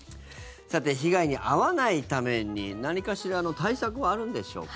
被害に遭わないために何かしらの対策はあるんでしょうか。